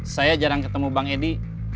saya jarang ketemu bang edi